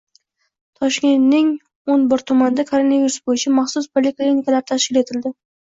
Toshkentningo'n birtumanida koronavirus bo‘yicha maxsus poliklinikalar tashkil etildi